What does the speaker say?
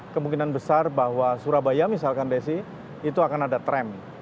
kemungkinan besar bahwa surabaya misalkan desi itu akan ada tram